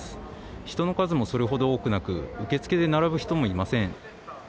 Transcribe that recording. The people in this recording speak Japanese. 人の数もそれほど多くなく、受け付けで並ぶ人もいません。